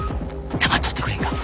黙っとってくれんか？